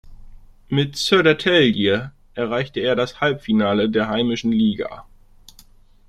Mit Södertälje erreichte er das Halbfinale in der heimischen Liga.